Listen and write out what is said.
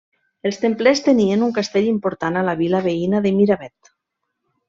Els templers tenien un castell important a la vila veïna de Miravet.